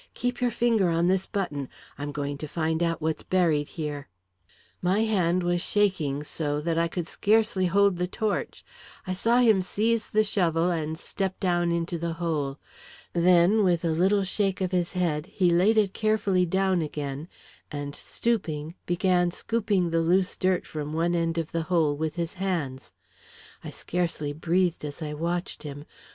"Keep your finger on this button. I'm going to find out what's buried here." My hand was shaking so that I could scarcely hold the torch. I saw him seize the shovel and step down into the hole. Then with a little shake of his head, he laid it carefully down again, and, stooping, began scooping the loose dirt from one end of the hole with his hands. I scarcely breathed as I watched him.